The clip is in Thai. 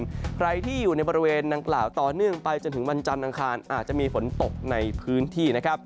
ใครที่อยู่ในบริเวณดังกล่าวต่อเนื่องไปจนถึงวันจันทร์อังคารอาจจะมีฝนตกในพื้นที่นะครับ